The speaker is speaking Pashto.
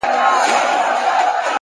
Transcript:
هره شېبه د بدلون وړتیا لري’